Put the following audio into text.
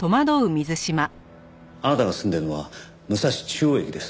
あなたが住んでるのは武蔵中央駅です。